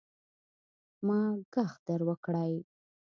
ما ږغ در وکړئ.